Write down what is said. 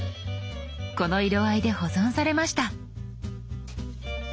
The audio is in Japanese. この色合いで保存されました。